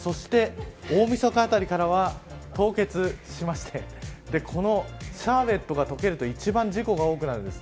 大みそかあたりからは凍結しましてシャーベットが解けると一番事故が多くなります。